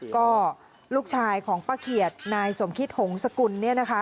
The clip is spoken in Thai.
ก็ลูกชายของป้าเขียดนายสมคิตหงษกุลเนี่ยนะคะ